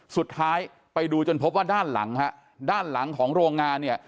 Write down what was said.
สุดท้ายไปดูจนพบว่าด้านหลังฮะด้านหลังของโรงงานเนี่ย